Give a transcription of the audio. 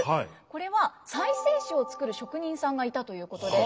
これは再生紙を作る職人さんがいたということで。